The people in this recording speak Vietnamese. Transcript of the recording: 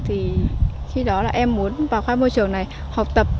thì khi đó là em muốn vào khoa môi trường này học tập